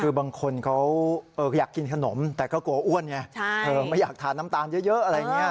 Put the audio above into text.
คือบางคนเขาอยากกินขนมแต่ก็กลัวอ้วนไงไม่อยากทานน้ำตาลเยอะอะไรอย่างนี้